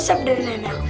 resep dari nenek aku